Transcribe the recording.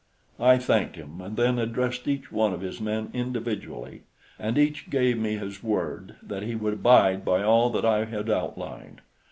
I thanked him and then addressed each one of his men individually, and each gave me his word that he would abide by all that I had outlined.